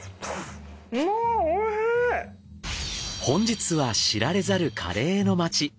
本日は知られざるカレーの街